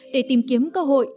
để tìm kiếm cơ hội